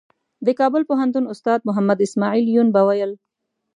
د کابل پوهنتون استاد محمد اسمعیل یون به ویل.